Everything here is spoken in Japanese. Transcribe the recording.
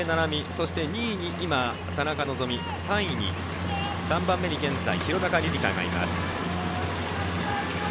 そして、２位に田中希実３位に廣中璃梨佳がいます。